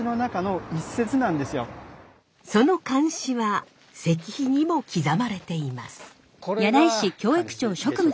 その漢詩は石碑にも刻まれています。